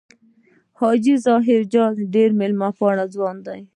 حاجي ظاهر جان ډېر مېلمه پال ځوان دی.